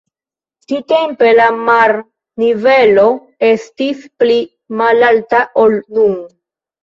Tiutempe la marnivelo estis pli malalta ol nun.